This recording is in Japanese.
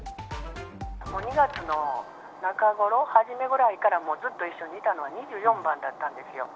２月の中頃、初めくらいからずっと一緒だったのは２４番だったんですよ。